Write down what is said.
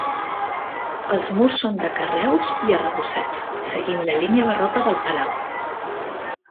Els murs són de carreus i arrebossats, seguint la línia barroca del palau.